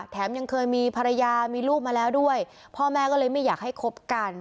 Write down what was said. ยังเคยมีภรรยามีลูกมาแล้วด้วยพ่อแม่ก็เลยไม่อยากให้คบกัน